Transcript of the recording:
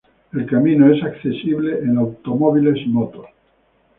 El camino es accesible en automóviles y motos.